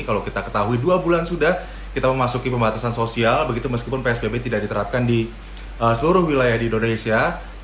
kalau kita ketahui dua bulan sudah kita memasuki pembatasan sosial begitu meskipun psbb tidak diterapkan di seluruh wilayah di indonesia